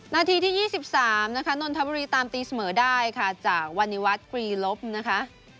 นาทีที่๒๓นะคะนนทบุรีตามตีเสมอได้ค่ะจากวันนี้วัฒน์กรีลบนะคะ